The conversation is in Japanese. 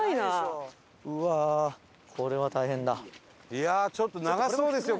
いやちょっと長そうですよ